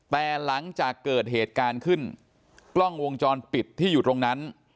แต่หลังจากเกิดเหตุการณ์ขึ้นกล้องวงจรปิดที่อยู่ตรงนั้น